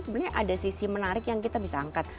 sebenarnya ada sisi menarik yang kita bisa angkat